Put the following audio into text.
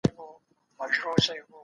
ايا دولتونه لکه انسانان ژوند لري؟